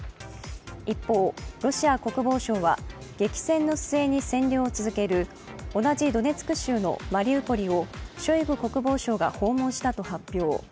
一方、ロシア国防省は激戦の末に占領を続ける同じドネツク州のマリウポリをショイグ国防相が訪問したと発表。